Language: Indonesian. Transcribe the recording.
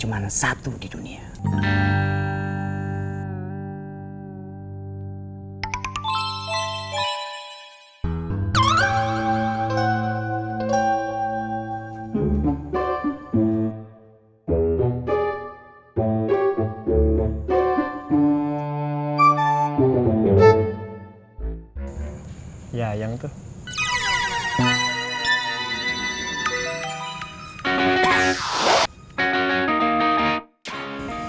orang satu di dunia ya yang tuh